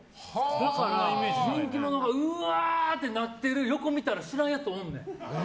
だから人気者がうわーってなってる横見たら知らんやつおんねん。